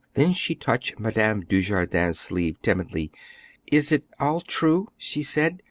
Then she touched Madame Dujardin's sleeve timidly. "Is it all true?" she said.